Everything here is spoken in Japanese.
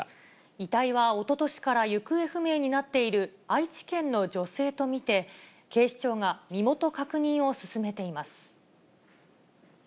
遺体はおととしから行方不明になっている愛知県の女性と見て、警視庁が身元確認を進めています。